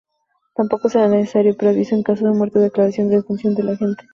Tampoco será necesario preaviso en caso de muerte o declaración de defunción del agente.